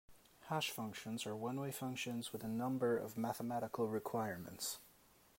Hash functions are one-way functions with a number of mathematical requirements.